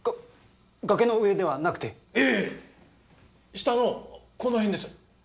下のこの辺です。